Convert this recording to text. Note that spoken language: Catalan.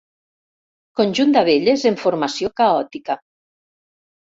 Conjunt d'abelles en formació caòtica.